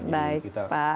baik pak edi ar